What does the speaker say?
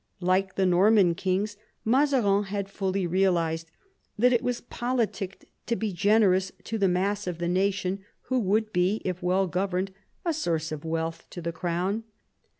Like the Norman kings, Mazarin had fully realised that it was politic to be generous to the mass of the nation, who would be, if well governed, a source of wealth to the crown.